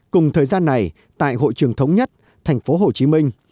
cùng thời gian này tại hội trường thống nhất thành phố hồ chí minh